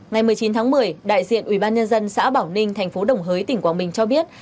ngày một mươi chín tháng một mươi đại diện ủy ban nhân dân xã bảo ninh thành phố đồng hới tỉnh quảng bình cho biết